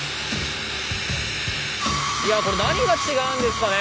いやこれ何が違うんですかね？